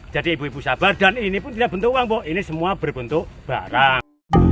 jadi ibu ibu sabar dan ini pun tidak bentuk uang ini semua berbentuk barang